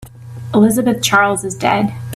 Elizabeth Charles is dead.